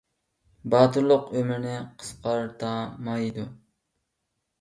باتۇرلۇق ئۆمۇرنى قىسقارتامايدۇ